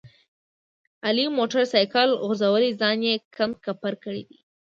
علي موټر سایکل غورځولی ځان یې کنډ کپر کړی دی.